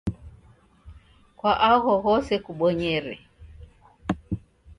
Kwa agho ghose kubonyere.